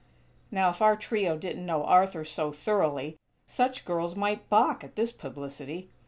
Now if our trio didn't know Arthur so thoroughly, such girls might balk at this publicity.